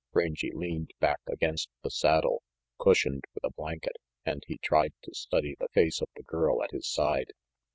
Rangy leaned back against the saddle, cushioned with a blanket, and he tried to study the face of the girl at his side.